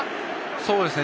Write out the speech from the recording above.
そうですね。